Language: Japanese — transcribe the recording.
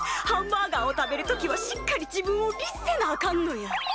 ハンバーガーを食べる時はしっかり自分を律せなあかんのや。